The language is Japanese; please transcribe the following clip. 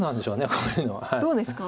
どうですか？